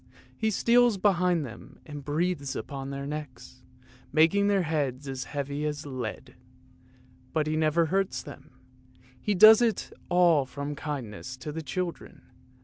He steals behind them and breathes upon their necks, making their heads as heavy as lead; but he never hurts them; he does it all from kindness to the children.